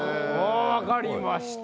わかりました。